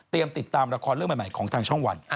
ติดตามละครเรื่องใหม่ของทางช่องวัน